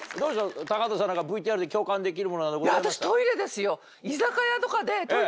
高畑さんなんかＶＴＲで共感できるものなどございました？